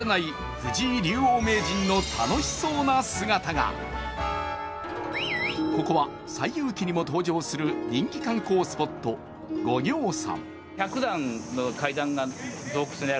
そこには日本ではあまり見られない藤井竜王名人の楽しそうな姿が。ここは「西遊記」にも登場する人気観光スポット五行山。